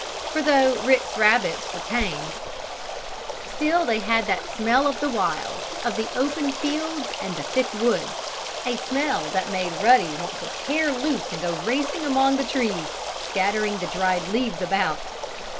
For though Rick's rabbits were tame, still they had had that smell of the wild, of the open fields and the thick woods a smell that made Ruddy want to tear loose and go racing among the trees, scattering the dried leaves about.